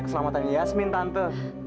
keselamatan yasmin tante